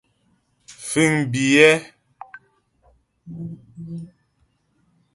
Fíŋ biyɛ́.